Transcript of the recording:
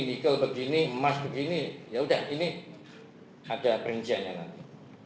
nikel begini emas begini yaudah ini ada perinciannya nanti